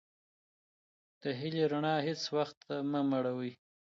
د هیلې رڼا هیڅ وختمه مړوئ.